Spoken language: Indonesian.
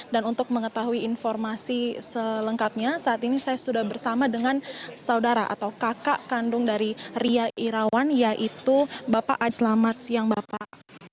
dan untuk mengetahui informasi selengkapnya saat ini saya sudah bersama dengan saudara atau kakak kandung dari ria irawan yaitu bapak azlamat siang bapak